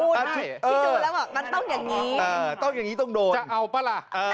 ให้มดมันเดินเหรอ